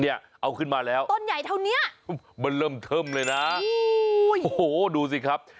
เอาขึ้นมาแล้วต้นใหญ่เท่านี้มันเริ่มเทิมเลยนะโอ้โหดูสิครับ